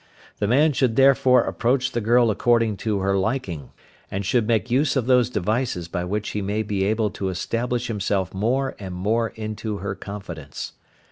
The man should therefore approach the girl according to her liking, and should make use of those devices by which he may be able to establish himself more and more into her confidence.